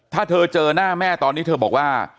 ถ้าเธอเจอหน้าแม่ตอนนี้เธอบอกว่า